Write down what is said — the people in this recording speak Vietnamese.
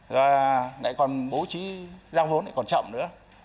rồi lại còn bố trí giao vốn còn chậm nữa